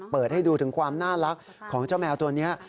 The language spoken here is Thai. เปิดให้ดูถึงความน่ารักของเจ้าแมวตัวนี้